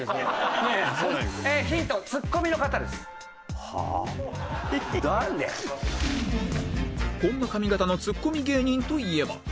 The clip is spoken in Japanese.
こんな髪形のツッコミ芸人といえば？